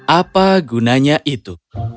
apa gunanya itu